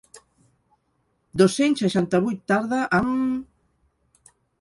Dos-cents seixanta-vuit tarda, amb...